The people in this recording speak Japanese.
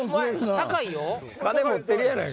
高いよ。